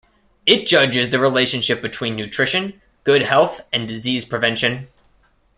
It judges the relationship between nutrition, good health and disease prevention.